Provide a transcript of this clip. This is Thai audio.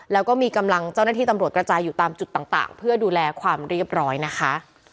แล้วก็มีกำลังเจ้าหน้าที่ตำรวจกระจายอยู่ตามจุดต่างเพื่อดูแลความเรียบร้อยนะคะ